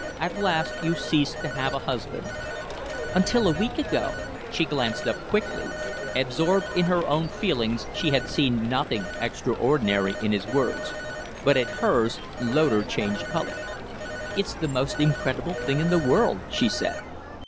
At last you ceased to have a husband." "Until a week ago." She glanced up quickly. Absorbed in her own feelings, she had seen nothing extraordinary in his words. But at hers, Loder changed color. "It's the most incredible thing in the world," she said.